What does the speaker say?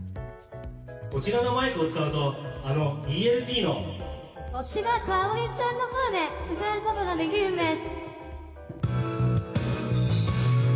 こちらのマイクを使うとあのＥＬＴの持田香織さんの声で歌うことができるんです。